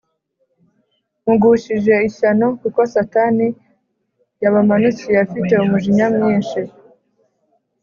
mugushije ishyano kuko Satani yabamanukiye afite umujinya mwinshi,